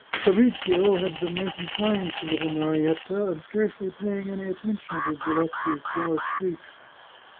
Fabrizio had been making signs to little Marietta, and scarcely paying any attention to Giletti's jealous shrieks.